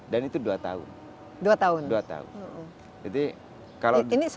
dan itu dua tahun